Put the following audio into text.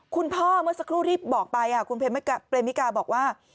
คุณพ่อเมื่อสักครู่รีบบอกไปคุณเพรมิการ์บอกว่า